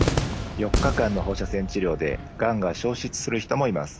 ４日間の放射線治療でがんが消失する人もいます。